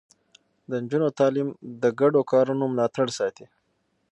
د نجونو تعليم د ګډو کارونو ملاتړ ساتي.